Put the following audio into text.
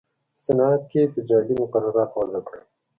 په صنعت کې یې فېدرالي مقررات وضع کړل.